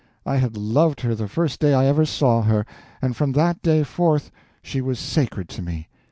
I had loved her the first day I ever saw her, and from that day forth she was sacred to me.